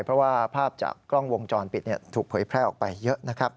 เพราะว่าภาพจากกล้องวงจรปิดถูกเผยแพร่ออกไปเยอะนะครับ